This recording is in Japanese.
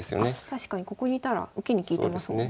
確かにここにいたら受けに利いてますもんね。